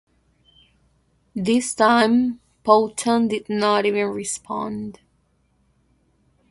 This time, Powhatan did not even respond.